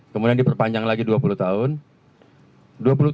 kemudian diperpanjang lagi dua puluh tahun